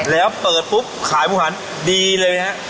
แล้วเปิดปุ๊บขายมุมหันดีเลยนะครับ